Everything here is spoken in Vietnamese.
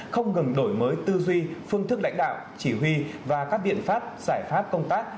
không ngừng đổi mới tư duy phương thức lãnh đạo chỉ huy và các biện pháp giải pháp công tác